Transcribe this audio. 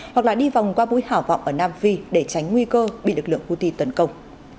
hoặc là đi vòng qua mũi hảo vọng ở nam phi để tránh nguy cơ bị lực lượng houthi tấn công